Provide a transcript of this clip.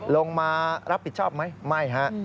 ลงมารับผิดชอบไหมไม่ฮะ